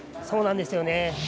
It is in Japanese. そうなんですね。